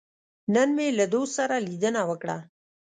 نن مې له دوست سره لیدنه وکړه.